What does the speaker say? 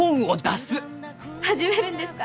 始めるんですか？